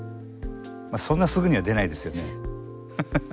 そんなすぐには出ないですよね。